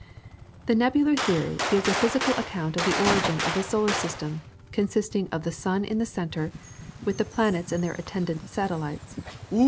] The Nebular Theory gives a physical account of the origin of the solar system, consisting of the sun in the centre, with the planets and their attendant satellites.